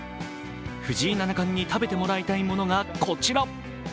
藤井七冠に食べてもらいたいものが、こちら。